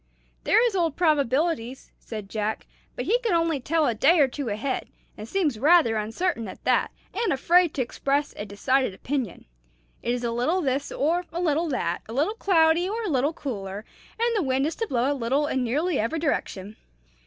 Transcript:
"There is Old Probabilities," said Jack; "but he can only tell a day or two ahead, and seems rather uncertain at that, and afraid to express a decided opinion. It is a little this or a little that, a little cloudy or a little cooler, and the wind is to blow a little in nearly every direction.